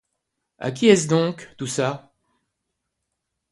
A qui est-ce donc, tout ça?